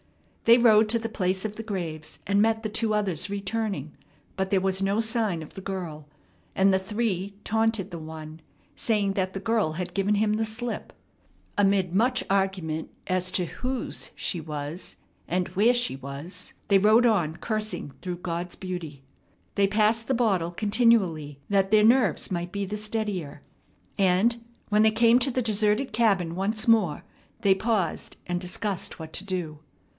They rode to the place of the graves, and met the two others returning; but there was no sign of the girl, and the three taunted the one, saying that the girl had given him the slip. Amid much argument as to whose she was and where she was, they rode on cursing through God's beauty. They passed the bottle continually, that their nerves might be the steadier; and, when they came to the deserted cabin once more, they paused and discussed what to do.